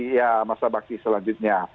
ya masa baksi selanjutnya